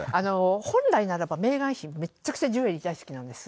本来ならばメーガン妃、めちゃくちゃジュエリー大好きなんです。